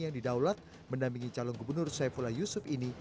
yang di daulat mendampingi calon gubernur saiful yusuf ini